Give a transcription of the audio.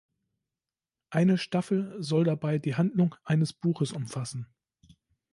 Eine Staffel soll dabei die Handlung eines Buches umfassen.